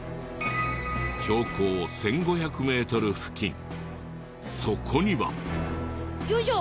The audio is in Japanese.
標高１５００メートル付近そこには。よいしょ。